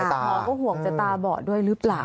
หมอก็ห่วงจะตาบอดด้วยหรือเปล่า